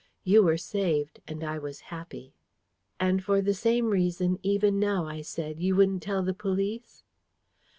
You were saved, and I was happy." "And for the same reason even now," I said, "you wouldn't tell the police?"